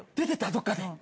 どっかで。